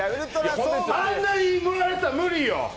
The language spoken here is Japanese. あんなに乗られたら無理よ。